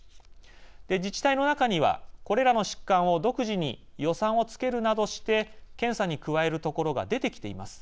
自治体の中には、これらの疾患を独自に予算を付けるなどして検査に加える所が出てきています。